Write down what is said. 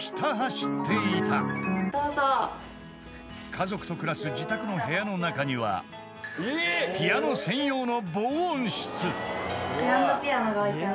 ［家族と暮らす自宅の部屋の中にはピアノ専用の］